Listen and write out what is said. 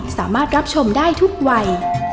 สามารถรับชมได้ทุกวัย